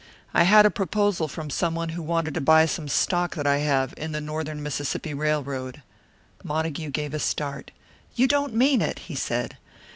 I had a proposal from someone who wanted to buy some stock that I have in the Northern Mississippi Railroad." Montague gave a start. "You don't mean it!" he said.